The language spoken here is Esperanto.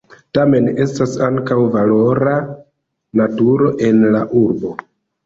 Tamen estas ankaŭ valora naturo en la urbo.